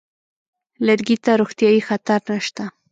لرګي ته روغتیايي خطر نشته.